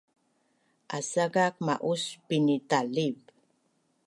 Asakak ma’us pinitaliv